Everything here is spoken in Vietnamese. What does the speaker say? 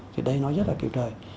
thì đây nó rất là kiểu trời